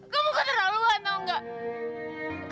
kamu keterlaluan tau gak